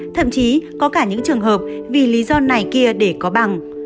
thậm chí có cả những trường hợp vì lý do này kia để có bằng